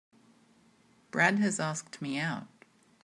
Brad has asked me out.